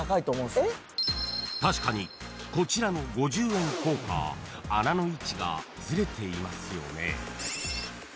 ［確かにこちらの五十円硬貨穴の位置がずれていますよね］